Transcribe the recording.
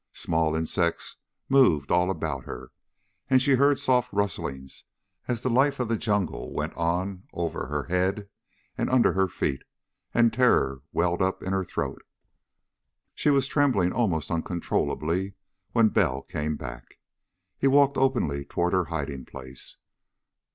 Small insects moved all about her, and she heard soft rustlings as the life of the jungle went on over her head and under her feet, and terror welled up in her throat. She was trembling almost uncontrollably when Bell came back. He walked openly toward her hiding place.